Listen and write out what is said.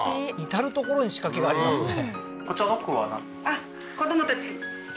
至る所に仕掛けがありますね。